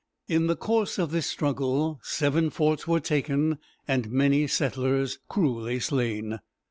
In the course of this struggle seven forts were taken, and many settlers cruelly slain.